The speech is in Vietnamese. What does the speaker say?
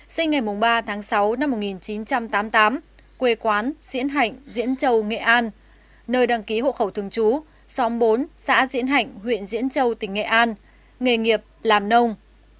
sinh ngày ba tháng sáu năm một nghìn chín trăm tám mươi tám quê quán diễn hạnh diễn châu nghệ an nơi đăng ký hộ khẩu thường trú xóm bốn xã diễn hạnh huyện diễn châu tỉnh nghệ an nghề nghiệp làm nông